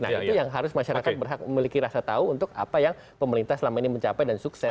nah itu yang harus masyarakat memiliki rasa tahu untuk apa yang pemerintah selama ini mencapai dan sukses